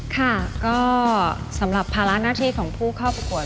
ค่ะก็สำหรับภาระหน้าที่ของผู้เข้าประกวด